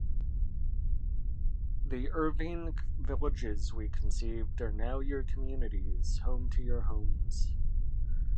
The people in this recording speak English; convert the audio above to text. The Irvine villages we conceived are now your communities, home to your homes.